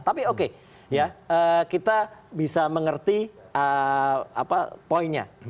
tapi oke ya kita bisa mengerti poinnya